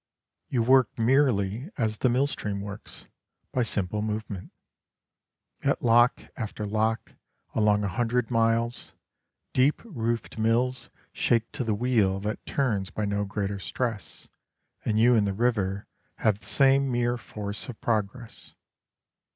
You work merely as the mill stream works by simple movement. At lock after lock along a hundred miles, deep roofed mills shake to the wheel that turns by no greater stress, and you and the river have the same mere force of progress.